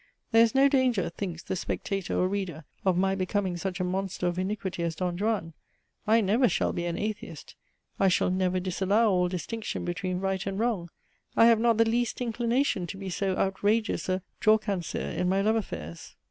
There is no danger (thinks the spectator or reader) of my becoming such a monster of iniquity as Don Juan! I never shall be an atheist! I shall never disallow all distinction between right and wrong! I have not the least inclination to be so outrageous a drawcansir in my love affairs!